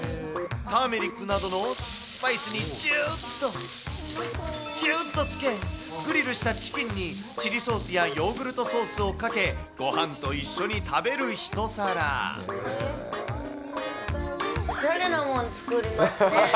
ターメリックなどのスパイスにぎゅっと、ぎゅっとつけ、グリルしたチキンに、チリソースやヨーグルトソースをかけ、おしゃれなもん作りますね。